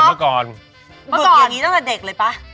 เมื่อก่อนฝึกอย่างนี้ตั้งแต่เด็กเลยป่ะ